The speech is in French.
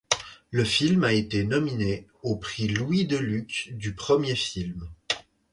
Le film a été nominé au Prix Louis Delluc du premier film.